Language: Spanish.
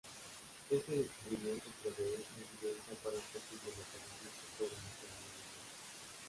Este descubrimiento provee evidencia para un posible mecanismo que puede mejorar la memoria.